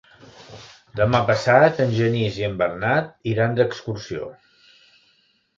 Demà passat en Genís i en Bernat iran d'excursió.